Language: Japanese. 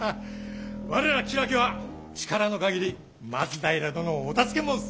我ら吉良家は力の限り松平殿をお助け申す！